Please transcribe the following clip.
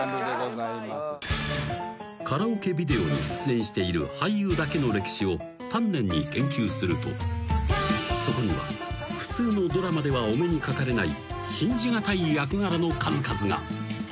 ［カラオケビデオに出演している俳優だけの歴史を丹念に研究するとそこには普通のドラマではお目にかかれない］